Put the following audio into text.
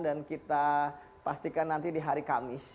dan kita pastikan nanti di hari kamis